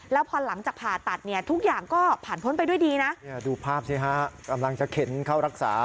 แล้วพอหลังจากผ่าตัดเนี่ยทุกอย่างก็ผ่านพ้นไปด้วยดีนะดูภาพสิฮะกำลังจะเข็นเข้ารักษา